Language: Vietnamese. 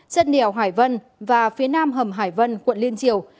trần điều hải vân và phía nam hầm hải vân quận liên triều